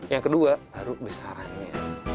yang kedua baru besarannya